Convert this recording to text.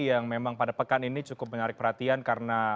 yang memang pada pekan ini cukup menarik perhatian karena